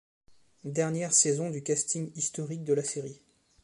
Dernière saison du casting historique de la série.